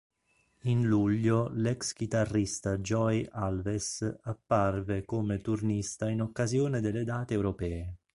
In luglio l'ex chitarrista Joey Alves apparve come turnista in occasione delle date europee.